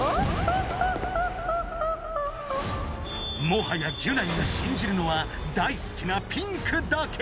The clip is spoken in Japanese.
もはやギュナイが信じるのは大すきなピンクだけ。